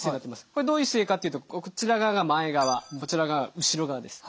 これどういう姿勢かっていうとこちら側が前側こちら側が後ろ側です。